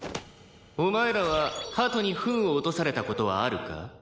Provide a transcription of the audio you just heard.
「お前らはハトにフンを落とされた事はあるか？」